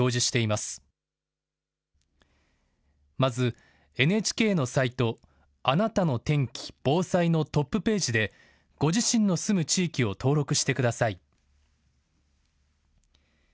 まず、ＮＨＫのサイト「あなたの天気・防災」のトップページでご自身の住む地域を登録してください。